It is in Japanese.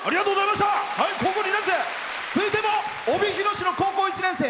続いても帯広市の高校１年生。